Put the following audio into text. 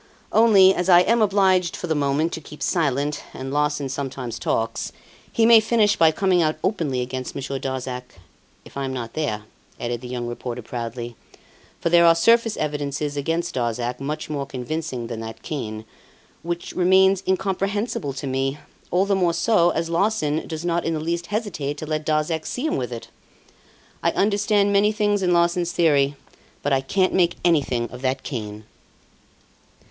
Only, as I am obliged for the moment to keep silent, and Larsan sometimes talks, he may finish by coming out openly against Monsieur Darzac, if I'm not there," added the young reporter proudly. "For there are surface evidences against Darzac, much more convincing than that cane, which remains incomprehensible to me, all the more so as Larsan does not in the least hesitate to let Darzac see him with it! I understand many things in Larsan's theory, but I can't make anything of that cane.